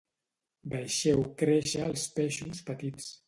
Deixeu créixer els peixos petits